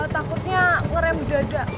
takutnya ngerem dada